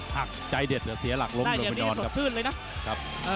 หักใจเด็ดเสียหลักล้มลงไปนอนครับ